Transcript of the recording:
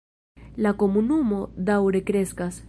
La komunumo daŭre kreskas.